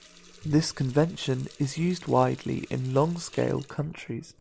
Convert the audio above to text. This convention is used widely in long scale countries.